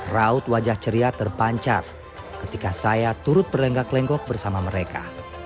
raut wajah ceria terpancar ketika saya turut berlenggak lenggok bersama mereka